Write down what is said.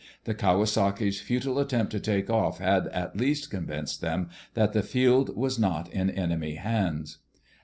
The Kawasaki's futile attempt to take off had at least convinced them that the field was not in enemy hands.